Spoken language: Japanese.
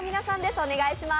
お願いします。